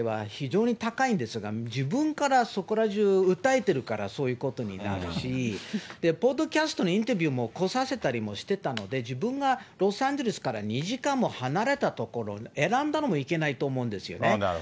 訴訟費が弁護費代は非常に高いんですが、自分からそこら中訴えているから、そういうことになるし、ポッドキャストのインタビューも来させたりもしてたので、自分がロサンゼルスから２時間も離れた所選んだのもいけないと思うんですよね。